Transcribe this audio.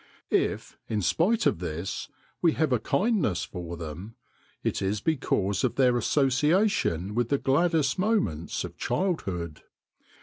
If, in spite of this, we have a; kindness for them, it is because of their association with the gladdest moments of childhood.